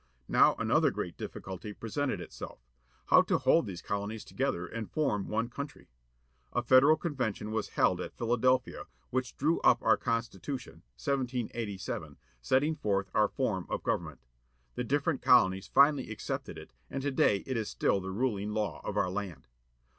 Now another great difficulty presented itself. How to hold these colonies to gether and form one country. A Federal Convention was held at Philadelphia, which drew up our Constitution, 1787, setting forth our form of government. The different colonies finally accepted it, and today it is still the ruling law of our land.